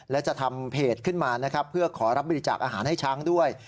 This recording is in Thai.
และจะทำเพจขึ้นมานะครับเพื่อขอรับบริจาคอาหารให้ช้างด้วย